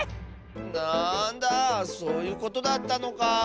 なんだそういうことだったのか。